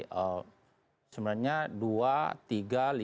baik seperti yang saya sampaikan tadi